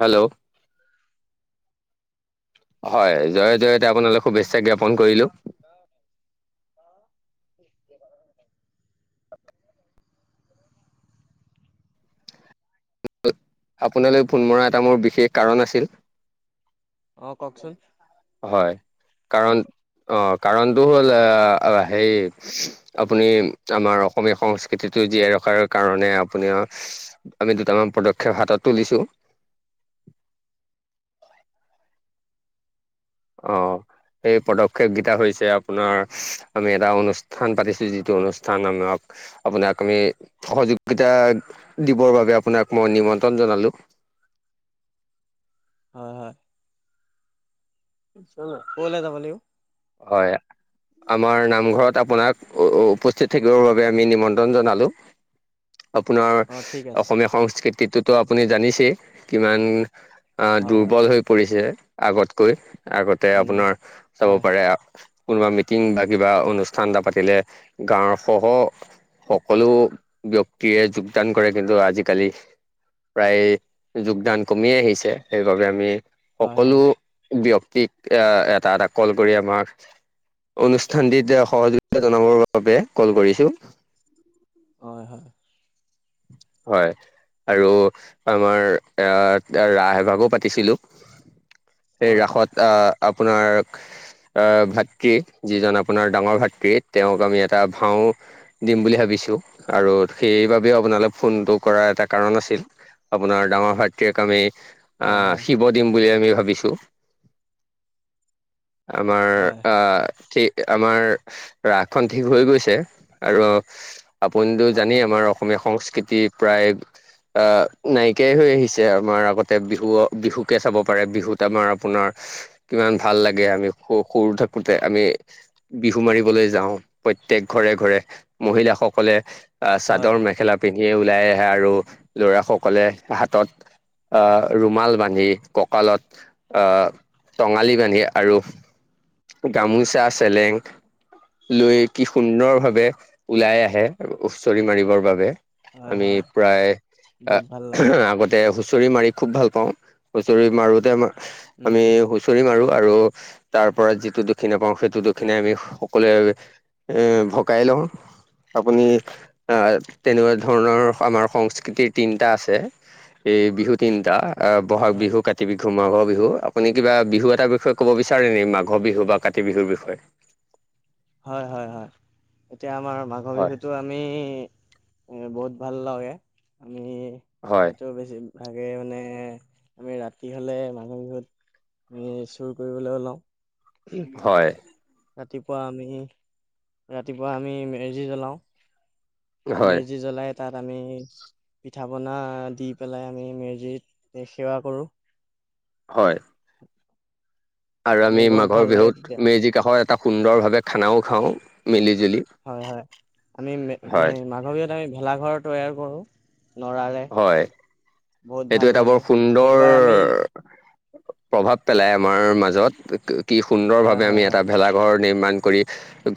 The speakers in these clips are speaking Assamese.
হেল্ল' হয় জয় জয়তে আপোনালোক শুভেচ্ছা জ্ঞাপন কৰিলোঁ আহঁ। আপোনালৈ ফোন মৰা এটা মোৰ বিশেষ কাৰণ আছিল। আহ কওঅঁকচোন। হয় কাৰণ অ' কাৰণটো হ'ল আহ হেই আপুনি আমাৰ অসমীয়া সংস্কৃতিত টো জীয়াই ৰখাৰ কাৰণে আপোনাৰ আমি দুটামান পদক্ষেপ হাতত তুলিছো। [unintelligible] অ' সেই পদক্ষেপকেইটা হৈছে আপোনাৰ আমি এটা অনুষ্ঠান পাতিছো যিটো অনুষ্ঠান আমাক আপোনাক আমি সহযোগিতা দিবৰ বাবে আপোনাক মই নিমন্ত্ৰণ জনালো। [unintelligible] হয় হয়। কলৈ যাব লাগিব হয়। আমাৰ নামঘৰত আপোনাক উপস্থিত থাকিবৰ বাবে আমি নিমন্ত্ৰণ জনালোঁ আপোনাৰ অ ঠিক আছে অসমীয়া সংস্কৃতিটোতো আপুনি জানিছেই কিমান! আহ হয় হয় দুৰ্বল হৈ পৰিছে আগতকৈ আগতে উম আপোনাৰ চাব হয় পাৰে। কোনোবা মিটিং বা কিবা অনুষ্ঠান এটা পাতিলে গাঁৱৰ সহ সকলো ব্যক্তিয়েই যোগদান কৰে কিন্তু আজিকালি। প্ৰায় যোগদান কমি আহিছে সেইবাবে আমি হয় সকলো হয় ব্যক্তি পিক এটা এটা কল কৰি আমাক। অনুষ্ঠানটিত সহযোগিতা জনাবৰ বাবে কল কৰিছোঁ। হয় হয়। হয়। আৰু আমাৰ এ ৰাসভাগো পাতিছিলো। এই হয় ৰাসত আহ আপোনাৰ আহ ভাতৃ যিজন আপোনাৰ ডাঙৰ ভাতৃ তেওঁক আমি এটা ভাও দিম বুলি ভাবি। ছ আৰু সেইবাবে তিও আপোনালৈ ফোনতটো কৰাৰ এটা কাৰণ আছিল। আপোনাৰ ডাঙৰ ভাতৃক আমি হয় আহ শিৱ দিম বুলি আমি ভাবিছো। আমাৰ হয় আঁ ঠিক আমাৰ ৰাসখনন ঠিক হৈ গৈছে আৰু আপুনিতো হয় জানি আমাৰ। সংস্কৃতি প্ৰায় আহ নাইকিয়াই হৈ আহিছে। আমাৰ আগতে বিহু বিহুকে চাব পাৰে। বিহুত আমাৰ আপোনাৰ কিমান ভাল লাগে আমি স সৰু থাকোঁ‌তে আমি বিহু মাৰিবলৈ যাওঁ প্ৰত প্ৰতেক ঘৰে ঘৰে মহিলাাসকলে আহ হয় চাদৰ মে স ওলাই আহে আৰু লৰা সকলে হাতত। আহ ৰুমাল বান্ধি কঁকালত আহ টঙালি বান্ধে আৰু গামোচা চেলেং লৈ কি সুন্দৰ ভাৱে ওলাই আহে হুচৰি মাৰিবৰ বাবে। হয় আমি হয় প্ৰায় আহ বহুত ভাল লাগে আগতে হুঁচৰি মাৰি খুব ভাল পাও হুঁচৰি মাৰোতে উম আমি উম হুঁচৰি মাৰো। আৰু তাৰ পৰা যিটো দক্ষিনা পাওঁ সেইটো দক্ষিণাই আমি সকলোৱে এ ভগাই লও আপুনি আহ তেনেকোৱা ধৰণৰ আমাৰ সংস্কৃতিৰ তিনিটা আছে এই বিহু তিনিটা। অ বহাগ হয় বিহু, কাতি বি হু মাঘৰ বিহু আপুনি কিবা বিহু এটা বিষয়ে কব বিচাৰে নেকি মাঘৰ বিহু বা কাতি বিহুৰ বিষয়ে [inaudible] হয় হয় হয়, এতিয়া আমাৰ মাঘৰ হয় বিহুটো আমি বহুত ভাল লাগে আমি হয় সেইটো বেছি। ভাগে মানে আমি ৰাতি হ'লে মাঘৰ বিহুত আমি চুৰ কৰিবলৈহে ওলাও। হয়। ৰাতিপুৱা আমি ৰাতিপুৱা আমি মেজি জ্বলাওঁ। হয় মেজি জ্বলাই তাত আমি। পিঠা পনা দি পেলাই আমি মেজিত সেৱা কৰোঁ। হয়। আৰু আমি বহুত ভাল মাঘৰ লাগে বিহুত তেতিয়া মেজি কাষৰ এটা সুন্দৰ ভাৱে খানাও খাওঁ মিলি। জুলি। হয় হয় আমি হয় মাঘৰ বিহুত আমি ভেলাঘৰ তৈয়াৰ কৰো। হয় বহুত সেইটো ভাল এটা বৰ লাগে সুন্দৰ এইবাৰ আমি প্ৰভাৱ পেলাই আমাৰ মাজত কি সুন্দৰ হয় ভাৱে হয় আমি হয় এটা ভেলাঘৰ। নিৰ্মাণ কৰি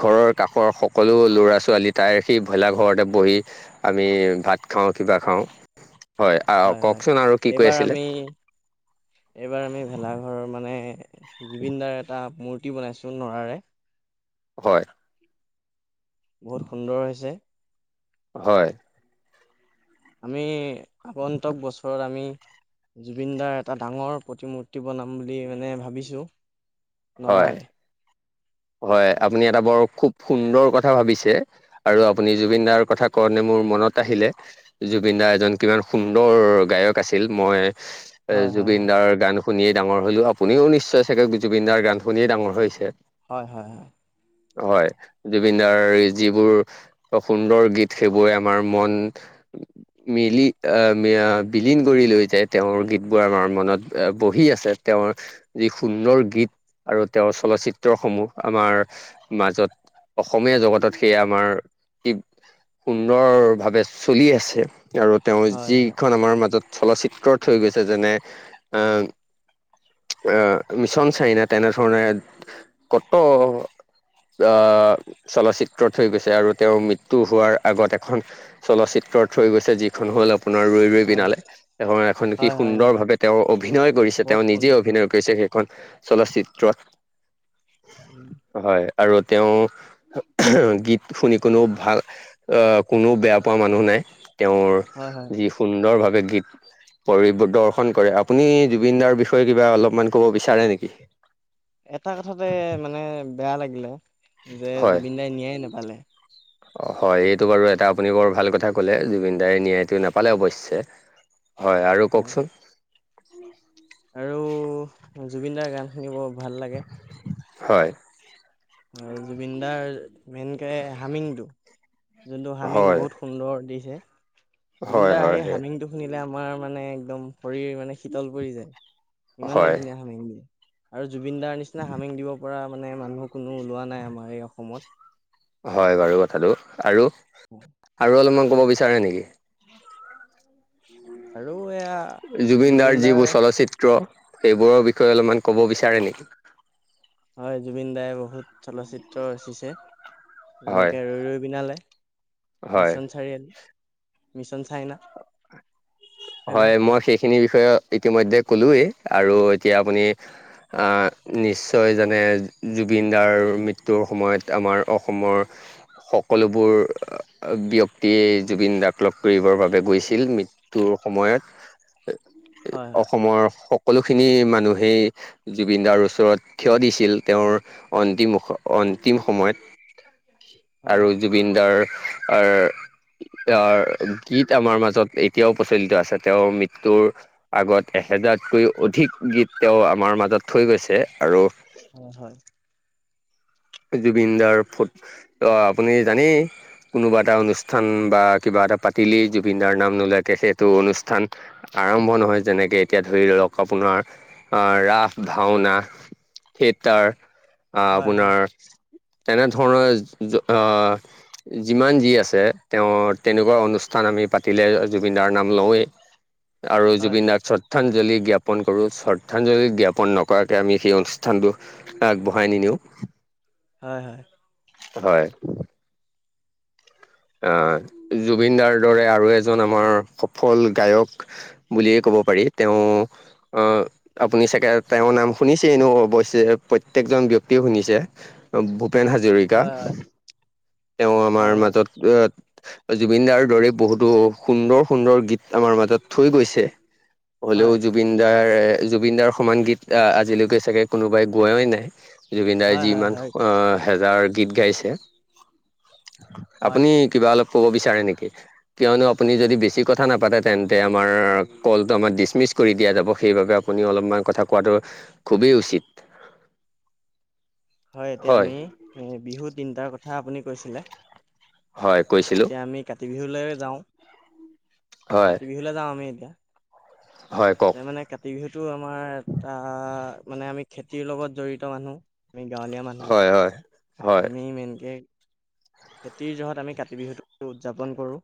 ঘৰৰ কাষৰ সকলো ল'ৰা ছোৱালী তাই সি ভেলাঘৰতে বহি আমি ভাত খাওঁ কিবা খাওঁ। আহ হয়, হয়। কওকচোন আৰু কি কৈ এইবাৰ আছিলে আমি এইবাৰ আমি ভেলাঘৰ মানে জুবিন দাৰ এটা মূৰ্তি বনাইছো নৰাৰে। হয়। বহুত সুন্দৰ হৈছে। হয়। আমি আগন্তুক বছৰত আমি জুবিন দাৰ এটা ডাঙৰ প্ৰতিমূৰ্তি বনাম বুলি মানে ভাবিছোঁ। হয় নৰাৰে হয় আপুনি এটা বৰ খুব। সুন্দৰ কথা ভাবিছে আৰু আপুনি জুবিন দাৰ কথা কওতে মোৰ মনত আহিলে জুবিন দা এজন কিমান সুন্দৰ গায়ক আছিল মই হয় হয় জুবিন হয় দাৰ গান। শুনিয়েই ডাঙৰ হ'লোঁ আপুনিও নিশ্চয় চাগে জুবিনদাৰ গান শুনিয়েই ডাঙৰ হৈছে। হয় হয় হয়। হয় জুবিন দাৰ যিবোৰ সুন্দৰ গীত সেইবোৰে আমাৰ মন মিলি আহ বিলীন কৰি লৈ যাই তেওঁৰ গীতবোৰ আমাৰ মনত বহি আহি আছে তেওঁৰ যি সুন্দৰ গীত আৰু তেওঁৰ চলচিত্ৰসমূহ। আমাৰ মাজত অসমীয়া জগতত সেয়া আমাৰ। ই সুন্দৰ ভাৱে চলি আছে আৰু তেওঁ হয় হয় যিখন আমাৰ মাজত চলচিত্ৰত থৈ গৈছে যেনে এ। আহ মিছন চাইনা তেনেধৰণে কত আহ চলচিত্ৰ থৈ গৈছে আৰু তেওঁৰ মৃত্যু হোৱাৰ আগত এখন চলচি ফ্ৰত হৈ গৈছে। এখন হ'ল আপোনাৰ ৰৈ ৰৈ হয় বিনালে, তেওঁৰ এখন কি হয় হয় সুন্দৰ হয় ভাৱে তেওঁ অভিনয় কৰিছে বহুত তেওঁ নিজে সুন্দৰ অভি। [unintelligible] কৰিছে সেইখন চলচিত্ৰত, উম, হয়। আৰু তেওঁ গীত শুনি কোনেও ভাল আঁহ কোনেওঁ বেয়া পোৱা মানুহ নাই। তেওঁৰ হয় হয় যি সুন্দৰভাৱে গীত পৰি দৰ্শন কৰে আপুনি জুবিন দাৰ বিষয়ে কিবা অলপমান কব বিচাৰে নেকি ততে মানে বেয়া লাগিলে যে জুবিন দাই ন্যায় নাপালে। অ হয় এইটো বাৰু এটা আপুনি বৰ ভাল কথা কলে জুবিন দাৰ ন্যায়টো নাপালে অৱশ্যে। হয় আৰু কওকচোন আৰু জুবিনদাৰ গান শুনিব ভাল লাগে। হয় আৰু জুবিনদাৰ মেইনকে হামিনটো যোনটো হাৰ্মিং হয় বহুত সুন্দৰ দিছে হয় জুবিনদাৰ হয় হাঁহ সেই হামিংটো শুনিলে আমাৰ মানে একদম শৰীৰ মানে শীতল পৰি যায় ইমানে হয় ধুনীয়া হামেং দিয়ে আৰু জুবিন দাৰ নিচিনা হামেং দিব পৰা মানে মানুহ কোনো ওলোৱা নাই আমাৰ এই অসমত। হয় বাৰু কথাটো আৰু আৰু অলপমান ক'ব বিচাৰে নেকি আৰু এয়া জুবিন দাৰ যিবোৰ চলচিত্ৰ সেইবোৰৰ বিষয়ে অলপমান ক'ব বিচাৰে নেকি? হয় জুবিন দাই বহুত চলচিত্ৰ ৰচিছে হয় যেনেকে ৰৈ ৰৈ বিনালে হয় মিছন চাৰিআলি। মিছন চাইনা। হেল্ল' হয় মই সেইখিনি বিষয়ে ইতিমধ্যে কলোয়েই আৰু এতিয়া আপুনি আহ নিশ্চয় যানে জুবিন দাৰ মৃত্যয়ু তোৰ সময়ত আমাৰ অসমৰ সকলোবোৰ ব্যক্তিয়ে জুবিন দাক লগ কৰিবৰ বাবে গৈছিল ম ত সময়ত হয় অসমৰ স সকলোখিনি মানুহেই জুবিনদাৰ ওচৰত থিয় দিছিল তেওঁৰ অন্তিমুখত। অন্তিম সময়ত হয় আৰু জুবিনদাৰ [unintelligible] আৰু গীত আমাৰ মাজত এই এতিয়াও প্ৰচলিত আছে তেওঁৰ মৃত্যুৰ আগত এহেজাৰতকৈ অধিক গীত তেওঁ আমাৰ মাজত তত থৈ গৈছে আৰু হয় জুবিন দাৰ ফ ত আপুনি জানেই। কোনোবা এটা অনুষ্ঠান বা কিবা এটা পাতিলেই জুবিন দাৰ নাম নোলোৱাকে সেইটো অনুষ্ঠান আৰম্ভ নহয় যেনেকে এতিয়া ধৰি লওক আপোনাৰ আহ ৰাস ভাওনা সেই তাৰ হয় আপোনাৰ তেনেধৰণৰ যিমান যি আছে তেওঁ তেনেকোৱা অনুষ্ঠান আমি পাতিলে জুবিনদাৰ নাম লওঁৱেই আৰু হয় জুবিন নাকচত শ্ৰদ্ধাঞ্জলি জ্ঞাপন কৰোঁ শ্ৰদ্ধাঞ্জলি জ্ঞাপন নকৰাকৈ আমি সেই অনুষ্ঠানটো আগবঢ়াই নিদিওঁ হয় হয় হয় অ জুবিনদাৰ দৰে আৰু এজন আমাৰ সফল গায়ক বুলিয়ে ক'ব পাৰি তেওঁ আপুনি চাগে তেওঁৰ নাম শুনিছেনো অৱশ্যে প্ৰত্যেক জন ব্যক্তিয়ে শুনিছে ভূপেন হাজৰিকা হয় হয় তেওঁ আমাৰ হয় হয় হয় মাজত জুবিনদাৰ দৰে বহুতো সুন্দৰ সুন্দৰ গীত আমাৰ মাজত থৈ গৈছে হয় হ'লেও জুবিন দাৰ জুবিন দাৰৰ সমান গীত আহ আজিলৈকে চাগে কোনোবাই গোৱাই নাই জুবিনদাৰ যি হয় ইমান হয় হেজাৰ গীত গাইছে হয় আপুনি কিবা অলপ ক'ব বিচাৰে নেকি কিয়নো আপুনি যদি বেছি কথা নাপাতে তেন্তে আমাৰ কলটো আমাৰ ডিচমিচ কৰি দিয়া যাব সেইবাবে‌ আপুনি অলপমান কথা কোৱাটো খুবেই উচিত। হয়, এতিয়া আমি এ বিহু তিনটাৰ কথা আপুনি কৈছিলে। হয় কৈছিলোঁ। এতিয়া আমি কাতি বিহুলৈ যাওঁ। হয় কাতি বিহুলৈ যাওঁ আমি এতিয়া। হয় কওক যে মানে কাতি বিহুতটো আমাৰ এটা মানে আমি খেতিৰ লগত জৰিত মানুহ। আমি গাঁৱলীয়া হয় হয় মানুহ হয় আমি মেইনকে। খেতিৰ জহত আমি কাতি বিহুটো উদযাপন কৰোঁ।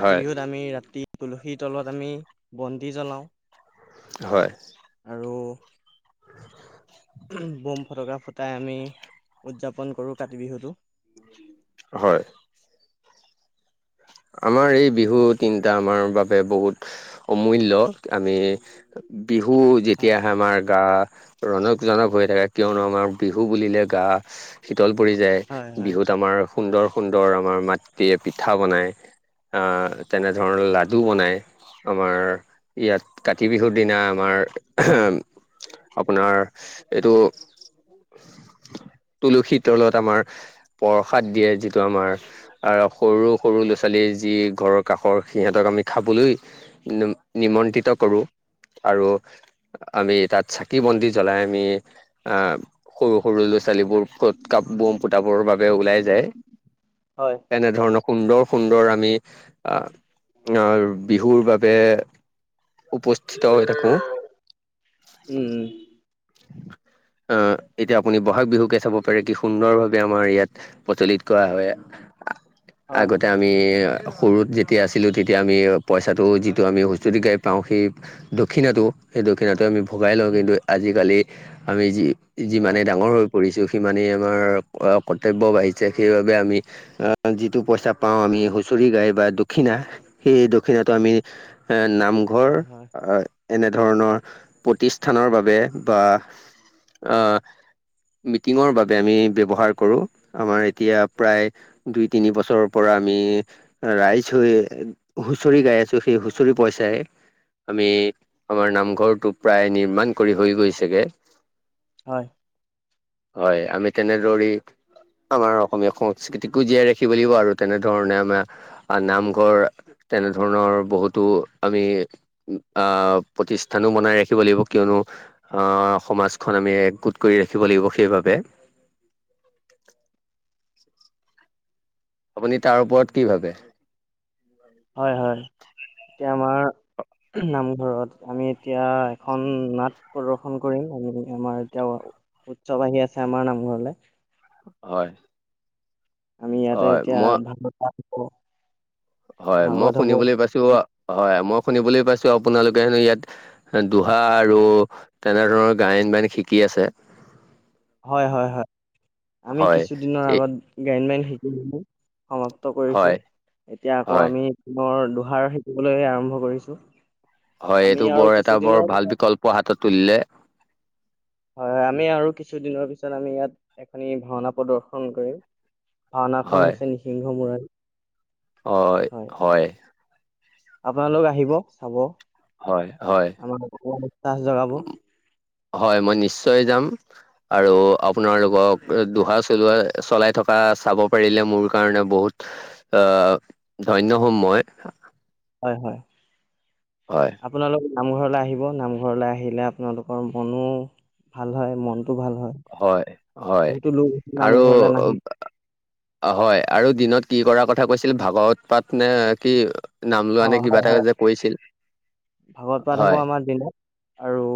কাতি হয় বিহুত আমি ৰাতি তুলসীৰ তলত আমি বন্তি জ্বলাওঁ। হয়। আৰু বোম ফটকা ফুটাই আমি উদযাপন কৰোঁ কাতি বিহুটো। হয়। আমাৰ এই বিহু তিনিটা আমাৰ বাবে বহুত অমূল্য। আমি বিহু যেতিয়া হয়, আহে আমাৰ গা ৰণত। জনক হৈ থাকে, কিয়নো আমাৰ বিহু বুলিলে গা শীতল পৰি হয়, যায়। হয়, বিহুত আমাৰ সুন্দৰ সুন্দৰ আমাৰ মাতৃয়ে পিঠা বনায়। অ'- তেনেধৰণৰ লাডু বনাই আমাৰ। ইয়াত কাতি বিহুৰ দিনা আমাৰ। হয়। আপোনাৰ এইটো তুলসী তলত আমাৰ পৰসাদ দিয়ে, যিটো আমাৰ আৰু সৰু - সৰু ল'ৰা-ছো ল' ছোৱালীৰ যি ঘৰৰ কাষৰ সিহঁতক আমি খাবলৈ নিমন্ত্ৰিত কৰোঁ আৰু। আমি তাত চাকি বন্তি জ্বলাই আমি আহ সৰু সৰু ল'ৰা ছোৱালীবোৰ। ক'ত কাপ বম বাবে ওলাই যায়। হয়, তেনেধৰণৰ সুন্দৰ সুন্দৰ আমি আহ বিহুৰ বাবে। উপস্থিত হৈ থাকো। উম, উম। আহ, এতিয়া আপুনি ব'হাগ বিহুকে চাব পাৰে কি সুন্দৰভাৱে আমাৰ ইয়াত। প্ৰচলিত কৰা বাবে, হয়, আগতে। এ সৰুত যেতিয়া আছিল, তেতিয়া আমি পইচাটো যিটো আমি হুঁচৰি গাই পাওঁ দুখ। দক্ষিণাতো সেই দক্ষিণাটো আমি। ভগাই লওঁ উম, কিন্তু, আজিকালি আমি যি হয়, যিমানে ডাঙৰ হৈ পৰিছো সিমানেই। কৰ্তব্য বাঢ়িছে, সেইবাবে আমি যিটো পইচা। পাওঁ আমি, হুঁচৰি গাই বা দক্ষিণা। সেই দক্ষিণাটো আমি নামঘৰ হয়, হয়। এনেধৰণৰ প্ৰতিষ্ঠানৰ বাবে বা। অঁ। মিটিঙৰ বাবে আমি ব্যৱহাৰ কৰো, আমাৰ এতিয়া প্ৰায় দুই তিনি বছৰ। পৰা আমি ৰাইজ হৈ হুঁচৰি গাই আছো সেই হুঁচৰি পইচাই। আমি আমাৰ নামঘৰটো প্ৰায় নিৰ্মাণ কৰি হৈ গৈছে গে। হয়। হয়, আমি তেনেদৰেই আমাৰ অসমীয়া সংস্কৃতিকো জীয়াই ৰাখিব লাগিব আৰু তেনেধৰণে আমাৰ অ'- নামঘৰ, তেনেধৰণৰ বহুতো আমি অ' প্ৰতিষ্ঠানো বনাই ৰাখিব লাগিব, কিয়নো অ'- সমাজখন আমি একগোট কৰি ৰাখি কৰিব সেই বাবে। আপুনি তাৰ ওপৰত কি ভাবে? হয়, হয়। এতিয়া আমাৰ নামঘৰত আমি এতিয়া এখন নাট প্ৰদৰ্শন কৰিম। আমি আমাৰ এতিয়া, উৎসৱ আহি আছে আমাৰ নামঘৰলৈ। হয়। আমি ইয়াতে হয় এতিয়া মই ভাগৱত পাঠ কৰো। হয়, মই শুনিবলৈ পাইছো হয় মই। শুনিবলৈ পাইছো আপোনালোকে হেনো ইয়াত দুোহা আৰু তেনে ধৰণৰ গায়ন বায়ন শিকি। ঠিক আছে। হয় হয় হয় আমি হয় কিছুদিনৰ এই আগত গাইডলাইন শিকিলো। সমাপ্ত হয় কৰিছো এতিয়া আকৌ হয় আমি পুনৰ পাৰ শিকিবলৈ আৰম্ভ কৰিছো। হয় আমি এইটো আৰু বৰ এটা বৰ কিছুদিনৰ ভাল পিছত বিকল্প হাতত তুলিলে হয় হয়। আমি আৰু কিছুদিনৰ পিছত আমি ইয়াত এখনি ভাওনা প্ৰদৰ্শন কৰিম। ভাওনাখনন হয় হৈছে নিসিংহ মূৰাৰ হয় হয়। আপোনালোক আহিব চাব। হয় হয় আমাৰ উৎসাহ জগাব হয়। মই নিশ্চয় যাম। আৰু আপোনাল লগোকক দোহা চলোৱা চলাই থকা চাব পাৰিলে। মোৰ কাৰণে বহুত আহ ধনয় হম মই। হয় হয় হয় আপোনালোক? নামঘৰলৈ আহিব নামঘৰলৈ আহিলে আপোনালোকৰ মনো ভাল হয় মন। হয় হয় আৰু নামঘৰলৈ নাহে হয় আৰু দিনত কি কৰাৰ কথা কৈছিল। ভাগৱত পাত নে কি? নাম লোৱা নে কিবা এটা যে কৈছিল। ভাগত পাত হ'ব। হয় আমাৰ দিনত আৰু